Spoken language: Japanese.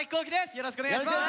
よろしくお願いします！